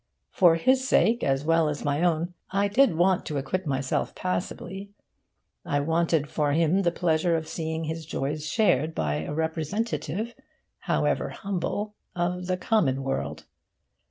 For his sake as well as my own I did want to acquit myself passably. I wanted for him the pleasure of seeing his joys shared by a representative, however humble, of the common world.